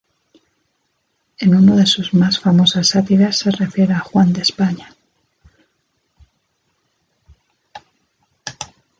En uno de sus más famosas sátiras se refiere a Juan de España.